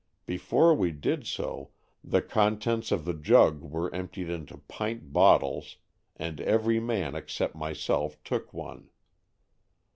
Before we did so, the contents of the jug were emptied into pint bottles and every man except myself took one.